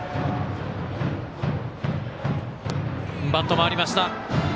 バットが回りました。